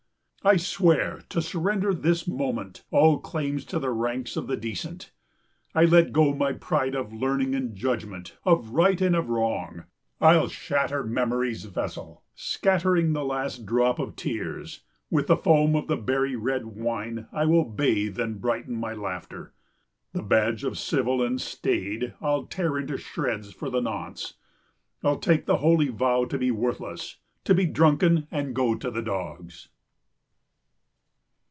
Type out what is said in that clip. I swear to surrender this moment all claims to the ranks of the decent. I let go my pride of learning and judgment of right and of wrong. I'll shatter memory's vessel, scattering the last drop of tears. With the foam of the berry red wine I will bathe and brighten my laughter. The badge of the civil and staid I'll tear into shreds for the nonce. I'll take the holy vow to be worthless, to be drunken and go to the dogs.